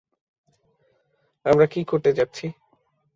আমরা কী করতে যাচ্ছি?